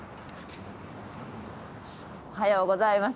おはようございます。